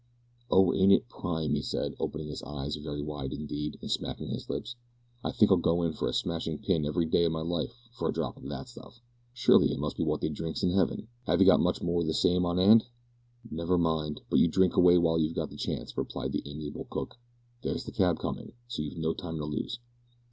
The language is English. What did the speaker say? "Oh! ain't it prime!" he said, opening his eyes very wide indeed, and smacking his lips. "I think I'll go in for a smashed pin every day o' my life for a drop o' that stuff. Surely it must be wot they drinks in 'eaven! Have 'ee got much more o' the same on 'and?" "Never mind, but you drink away while you've got the chance," replied the amiable cook; "there's the cab coming, so you've no time to lose."